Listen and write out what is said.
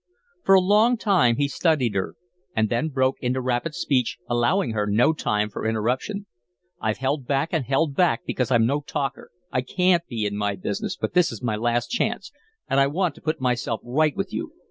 For a long time he studied her, and then broke into rapid speech, allowing her no time for interruption. "I've held back and held back because I'm no talker. I can't be, in my business; but this is my last chance, and I want to put myself right with you.